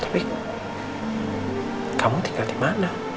tapi kamu tinggal dimana